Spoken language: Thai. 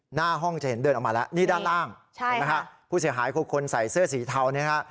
หน้าห้องจะเห็นเดินออกมาแล้วนี่ด้านล่างเห็นไหมฮะผู้เสียหายคือคนใส่เสื้อสีเทาเนี่ยนะฮะ